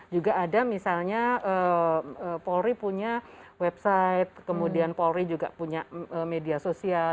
juga ada misalnya polri punya website kemudian polri juga punya media sosial